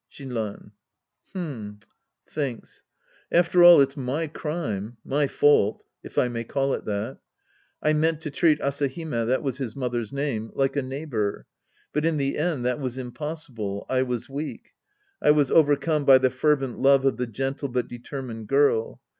Shinran. H'm. {Thinks.) After all, it's my crime, my fault. If I may call it that. I meant to treat Asahime — that was his mother's name — like a neigh bor. But in the end that was impossible. I was weak. I was overcome by the fervent love of the gentle but determined girl.